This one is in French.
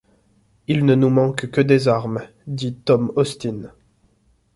Il ne nous manque que des armes, dit Tom Austin.